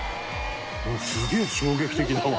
「すげえ衝撃的だわ」